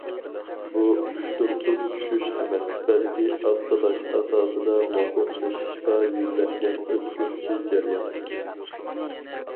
بۇ ئۇشتۇمتۇت چۈشۈش ئەمەس، بەلكى ئاستىلاش ئاساسىدا مۇقىملىشىشقا يۈزلەنگەن ئۆتكۈنچى جەريان.